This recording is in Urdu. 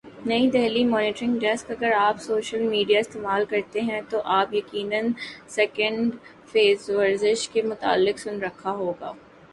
نئی دہلی مانیٹرنگ ڈیسک اگر آپ سوشل میڈیا استعمال کرتے ہیں تو آپ یقینا سیکنڈ فیس ورزش کے متعلق سن رکھا ہو گا